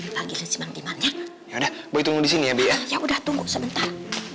ya udah tunggu di sini ya ya udah tunggu sebentar